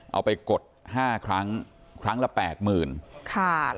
เอาไปกด๕ครั้งละ๘๐๐๐๐บาท